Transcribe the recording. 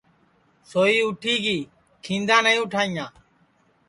سوئی اُٹھی گی کھیندا نائی اُٹھائیاں